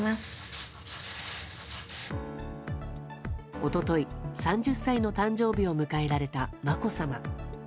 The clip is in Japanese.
一昨日、３０歳の誕生日を迎えられた、まこさま。